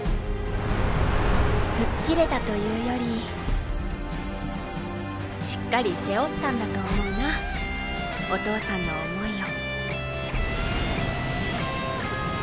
吹っ切れたというよりしっかり背負ったんだと思うなお父さんの思いを。